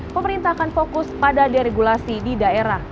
pemerintah akan fokus pada deregulasi di daerah